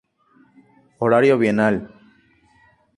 Horario bienal.